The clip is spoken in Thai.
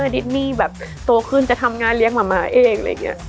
ดิทนี่โตขึ้นจะทำงานเลี้ยงมาม่าเอง